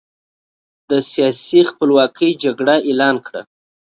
د سیاسي خپلواکۍ جګړه اعلان کړه.